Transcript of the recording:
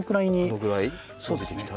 このぐらい伸びてきたら。